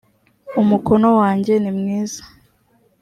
umukono wanjye nimwiza